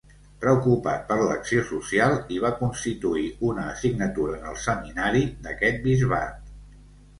Preocupat per l'acció social, hi va constituir una assignatura en el Seminari d'aquest bisbat.